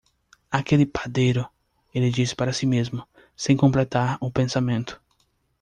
"Aquele padeiro..." ele disse para si mesmo, sem completar o pensamento.